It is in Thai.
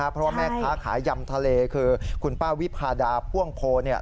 เพราะว่าแม่ค้าขายยำทะเลคือคุณป้าวิพาดาพ่วงโพเนี่ย